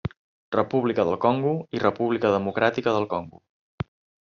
República del Congo i República Democràtica del Congo.